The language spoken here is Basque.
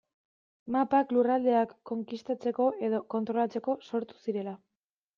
Mapak lurraldeak konkistatzeko edo kontrolatzeko sortu zirela.